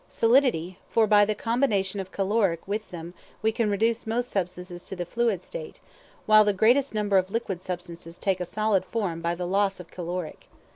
Solidity; for by the combination of caloric with them we can reduce most substances to the fluid state; while the greatest number of liquid substances take a solid form by the loss of caloric.